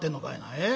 ええ？